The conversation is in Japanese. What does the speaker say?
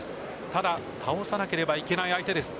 ただ倒さなければいけない相手です。